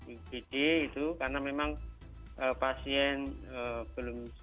igd itu karena memang pasien belum